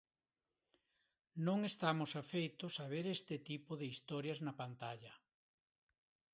Non estamos afeitos a ver este tipo de historias na pantalla.